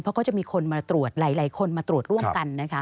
เพราะก็จะมีคนมาตรวจหลายคนมาตรวจร่วมกันนะคะ